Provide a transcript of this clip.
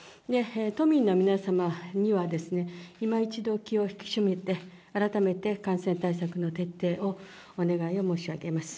都民の皆様には、今一度気を引き締めて、改めて感染対策の徹底をお願いを申し上げます。